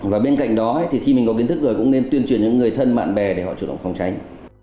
và bên cạnh đó thì khi mình có kiến thức rồi cũng nên tuyên truyền cho người thân bạn bè để họ chủ động phòng tránh